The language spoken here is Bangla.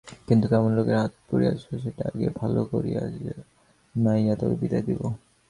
কিন্তু কেমন লোকের হাতে পড়িয়াছ সেটা আগে ভালো করিয়া জানাইয়া তবে বিদায় দিব।